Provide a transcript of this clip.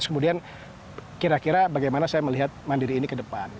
kemudian kira kira bagaimana saya melihat mandiri ini ke depan